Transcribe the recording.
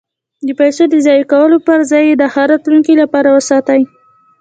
د پیسو د ضایع کولو پرځای یې د ښه راتلونکي لپاره وساتئ.